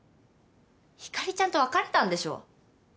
ひかりちゃんと別れたんでしょ？